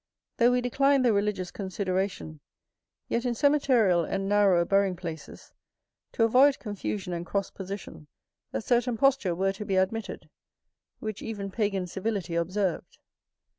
Though we decline the religious consideration, yet in cemeterial and narrower burying places, to avoid confusion and cross position, a certain posture were to be admitted: which even Pagan civility observed.